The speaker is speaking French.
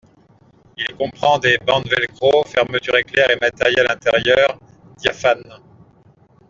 Il comprend des bandes velcro, fermetures éclair et matériel intérieur diaphane.